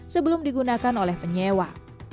sebelum digunakan oleh penyewa